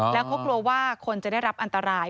แล้วเขากลัวว่าคนจะได้รับอันตราย